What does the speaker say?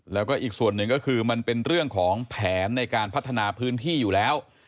แล้วก็อีกส่วนหนึ่งก็คือมันเป็นเรื่องของแผนในการพัฒนาพื้นที่อยู่แล้ว